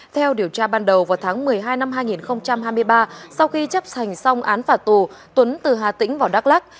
theo điều tra ban đầu vào tháng một mươi hai năm hai nghìn hai mươi ba sau khi chấp thành xong án phạt tù tuấn từ hà tĩnh vào đắk lắc